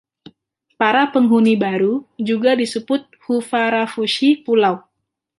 Para penghuni baru juga disebut 'Huvarafushi' pulau.